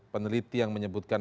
peneliti yang menyebutkan